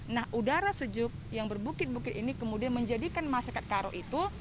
nah udara sejuk yang berbukit bukit ini kemudian menjadikan masyarakat karo itu